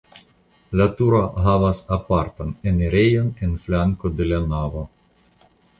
La turo havas apartan enirejon en flanko de la navo.